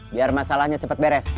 biar masalahnya cepet beres